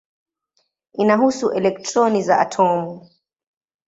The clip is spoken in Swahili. Inahusu elektroni za atomu.